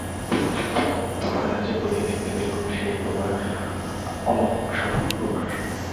তফাতে আছি বলেই দেখতে পেলুম সেই তোমার অলোকসামান্য প্রকাশ।